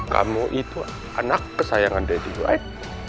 kamu itu anak kesayangan daddy right